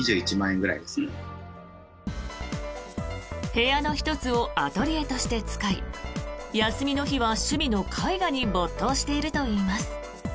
部屋の１つをアトリエとして使い休みの日は趣味の絵画に没頭しているといいます。